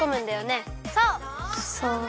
そう。